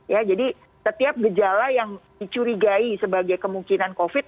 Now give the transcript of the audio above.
ya jadi setiap gejala yang dicurigai sebagai kemungkinan covid